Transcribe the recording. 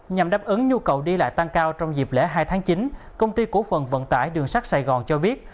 nhằm đáp ứng nhu cầu đi lại tăng cao trong dịp lễ hai tháng chín công ty cổ phần vận tải đường sắt sài gòn cho biết